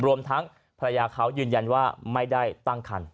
รวมทั้งภรรยาเขายืนยันว่าไม่ได้ตั้งคัน